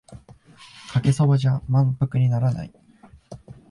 かけそばじゃ満腹にならない